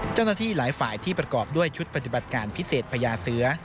เจ้าหน้าที่หลายฝ่ายที่ประกอบด้วยชุดปฏิบัติการพิเศษพญาเสือ